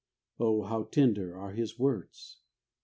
Oh, how tender are His words